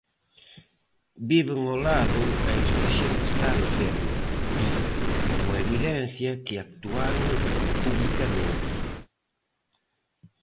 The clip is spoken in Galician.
"Viven ao lado e esta xente está enferma", di, como evidencia que "actuaron publicamente".